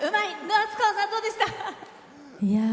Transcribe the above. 夏川さん、どうでした？